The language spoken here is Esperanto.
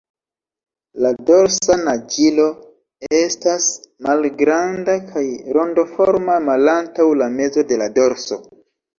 La dorsa naĝilo ests malgranda kaj rondoforma malantaŭ la mezo de la dorso.